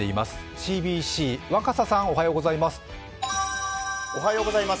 ＣＢＣ・若狭さん、おはようございます。